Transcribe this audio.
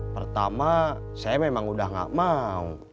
pertama saya memang udah gak mau